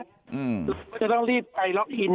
แบบดังนี้ก็จะต้องรีบไปล็อคอิน